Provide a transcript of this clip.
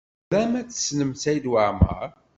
Tram ad tessnem Saɛid Waɛmaṛ?